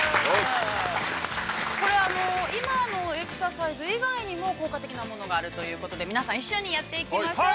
◆これ、今のエクササイズ以外にも効果的なものがあるということで、皆さん、一緒にやっていきましょう。